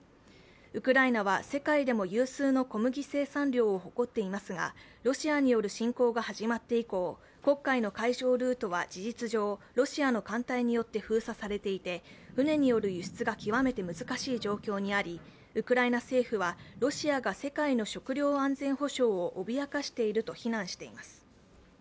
ウクライナは世界でも有数の小麦生産量を誇っていますが、ロシアによる侵攻が始まって以降黒海の海上ルートは事実上、ロシアの艦隊によって封鎖されていて、船による輸出が極めて難しい状況にありウクライナ政府はロシアが世界の食糧安全保障を脅かしていると非難しています。